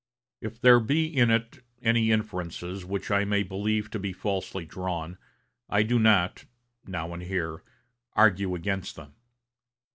If there be in it any inferences which I may believe to be falsely drawn, I do not, now and here, argue against them.